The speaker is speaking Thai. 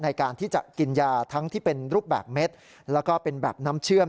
ในการที่จะกินยาทั้งที่เป็นรูปแบบเม็ดแล้วก็เป็นแบบน้ำเชื่อม